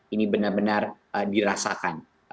ini benar benar dirasakan